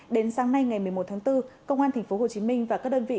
đến sáng nay ngày một mươi một tháng bốn công an tp hcm và các đơn vị